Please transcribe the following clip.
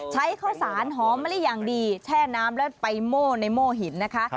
ใช้ข้าวสารหอมมะลิอย่างดีแช่น้ำแล้วไปโม่ในโม่หินนะคะ